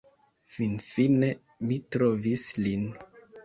Finfine mi trovis lin